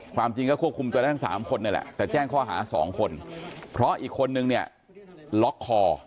ความจริงก็ควบคุมตัวได้ทั้ง๓คนนี่แหละแต่แจ้งข้อหา๒คนเพราะอีกคนนึงเนี่ยล็อกคอ